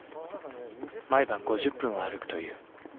毎晩５０分は歩くという。